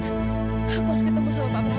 aku harus ketemu sama pak prabowo